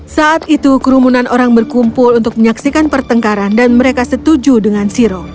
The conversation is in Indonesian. saat itu kerumunan orang berkumpul untuk menyaksikan pertengkaran dan mereka setuju dengan siro